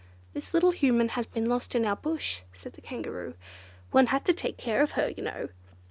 "This little Human has been lost in our Bush," said the Kangaroo; "one had to take care of her, you know."